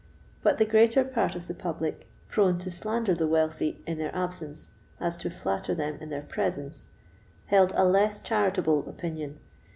But the greater part of the public, prone to slander the wealthy in their absence as to flatter them in their presence, held a less charitable opinion.